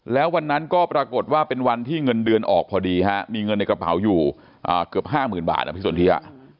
แล้ววันนั้นก็ปรากฏว่าเป็นวันที่เงินเดือนออกพอดีมีเงินในกระเป๋าอยู่เกือบ๕๐๐๐บาทพี่สนทิยา